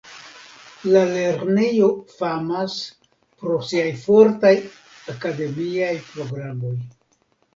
La lernejo famas pro siaj fortaj akademiaj programoj.